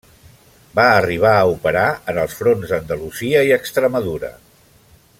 Va arribar a operar en els fronts d'Andalusia i Extremadura.